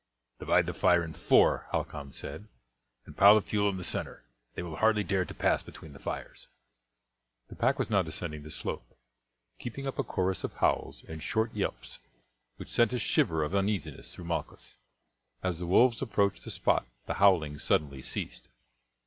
"Divide the fire in four," Halcon said, "and pile the fuel in the centre; they will hardly dare to pass between the fires." The pack was now descending the slope, keeping up a chorus of howls and short yelps which sent a shiver of uneasiness through Malchus. As the wolves approached the spot the howling suddenly ceased.